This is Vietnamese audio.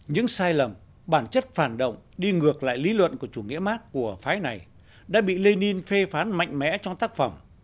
những sai lầm bản chất phản động đi ngược lại lý luận của chủ nghĩa mark của phái này đã bị lenin phê phán mạnh mẽ trong tác phẩm